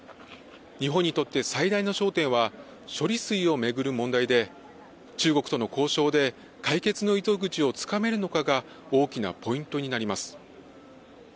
日本にとって最大の焦点は処理水を巡る問題で、中国との交渉で解決の糸口をつかめるのかが大きなポイントになります。